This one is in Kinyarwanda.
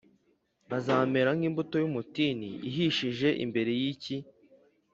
Bazamera nk’imbuto y’umutini, ihishije mbere y’icyi :